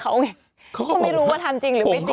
เขาไม่รู้ว่าทำจริงหรือไม่จริงอย่างนั้น